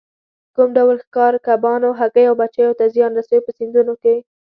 کوم ډول ښکار کبانو، هګیو او بچیو ته زیان رسوي په سیندونو کې.